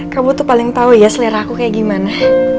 kamu tuh paling tahu ya selera aku kayak gimana